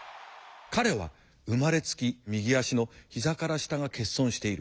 彼は生まれつき右足の膝から下が欠損している。